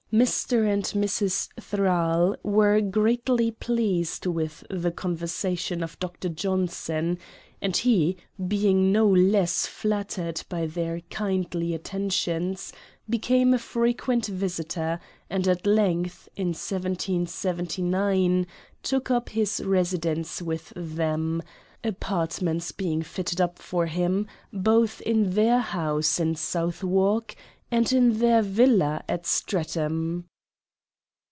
Mr. and Mrs. Thrale were greatly pleased with the con versation of Dr. Johnson ; and he, being no less flattered by their kindly attentions, became a frequent visitor ; and at length, in 1779, took up his residence with them, apartments being fitted up for him, both in their house in Southwark and their villa at Streatham.